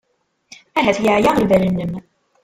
Ahat yeɛya lbal-nnem.